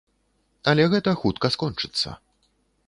Але гэта хутка скончыцца.